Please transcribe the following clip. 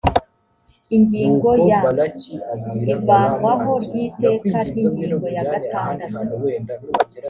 ingingo ya ivanwaho ry iteka ry ingingo ya gatandatu